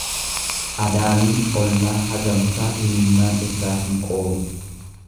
Adaamiin ollaa hagamsaa imimmaan irraa hin qooru.